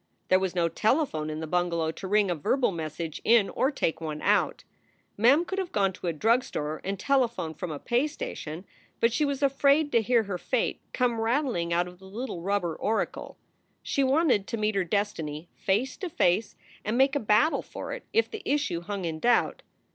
There was no telephone in the bungalow to ring a verbal message in or take one out, Mem could have gone to a drug store and telephoned from a pay station, but she was afraid to hear her fate come rattling out of the little rubber oracle. She wanted to meet her destiny face to face and make a battle for it if the issue hung in doubt.